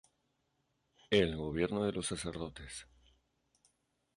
El gobierno de los sacerdotes.